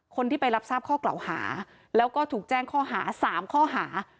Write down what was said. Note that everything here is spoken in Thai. คนที่ไปรับทราบข้อกล่าวหาแล้วก็ถูกแจ้งข้อหา๓ข้อหา